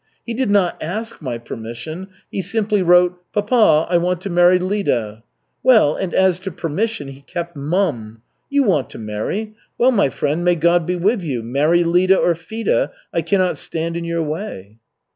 He did not ask my permission, he simply wrote, 'Papa, I want to marry Lida.' Well, and as to permission he kept mum. You want to marry. Well, my friend, may God be with you, marry Lida or Fida, I cannot stand in your way!"